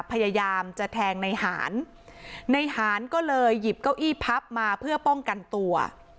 พยายามจะแทงในหารในหารก็เลยหยิบเก้าอี้พับมาเพื่อป้องกันตัว